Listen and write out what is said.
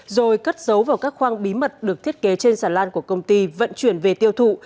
rồi cất dấu vào các khoang bí mật được thiết kế trên sàn lan của công ty vận chuyển về tiêu thụ